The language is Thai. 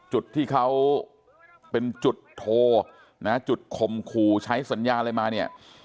จุดที่เขาเป็นจุดโทรนะจุดคมขู่ใช้สัญญาอะไรมาเนี่ย